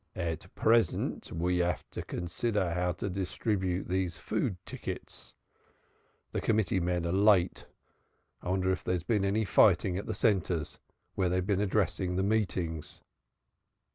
"At present, we have to consider how to distribute these food tickets. The committee men are late; I wonder if there has been any fighting at the centres, where they have been addressing meetings."